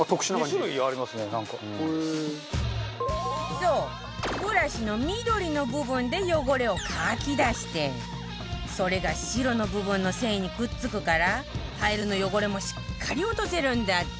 そうブラシの緑の部分で汚れをかき出してそれが白の部分の繊維にくっつくからタイルの汚れもしっかり落とせるんだって